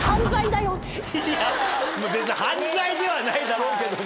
いや別に犯罪ではないだろうけども。